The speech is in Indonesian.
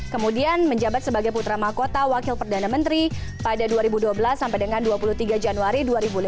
kemudian menjabat sebagai putra mahkota wakil perdana menteri pada dua ribu dua belas sampai dengan dua puluh tiga januari dua ribu lima belas